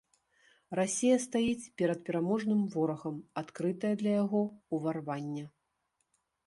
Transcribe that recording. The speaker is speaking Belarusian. Расія стаіць перад пераможным ворагам, адкрытая для яго ўварвання.